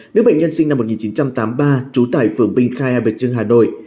nữ bệnh nhân sinh năm một nghìn chín trăm tám mươi ba trú tại phường binh khai hà bài trưng hà nội